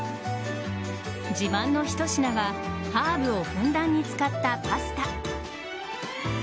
自慢の一品はハーブをふんだんに使ったパスタ。